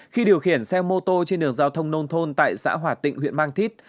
khi điều khiển xe mô tô trên đường giao thông nông thôn tại xã hòa tịnh huyện mang thít